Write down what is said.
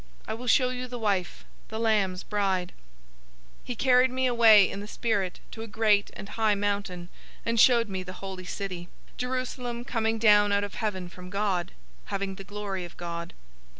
I will show you the wife, the Lamb's bride." 021:010 He carried me away in the Spirit to a great and high mountain, and showed me the holy city, Jerusalem, coming down out of heaven from God, 021:011 having the glory of God.